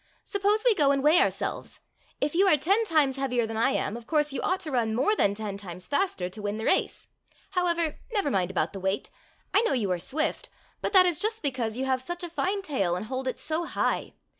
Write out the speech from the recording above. Suppose we go and weigh oiu'selves. If you are ten times heavier than I am, of course you ought to run more than ten times faster to win the race. However, never mind about the weight. I know you are swift, but that is just because you have such a fine tail and hold it so high.